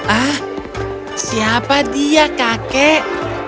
ah siapa dia kakek